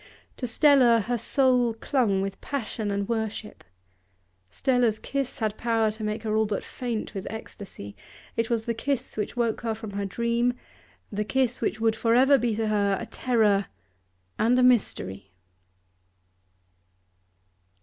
To Stella her soul clung with passion and worship. Stella's kiss had power to make her all but faint with ecstasy; it was the kiss which woke her from her dream, the kiss which would for ever be to her a terror and a mystery.